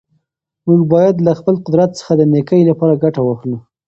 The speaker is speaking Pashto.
موږ باید له خپل قدرت څخه د نېکۍ لپاره ګټه واخلو.